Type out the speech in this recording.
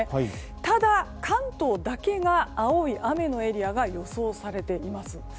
ただ、関東だけが青いエリアが予想されています。